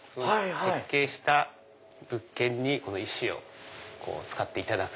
設計した物件にこの石を使っていただく。